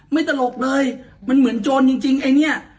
ตลกเลยมันเหมือนโจรจริงไอ้เนี่ย